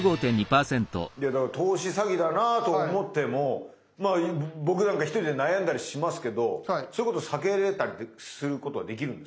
投資詐欺だなと思っても僕なんか一人で悩んだりしますけどそういうこと避けれたりすることはできるんですか？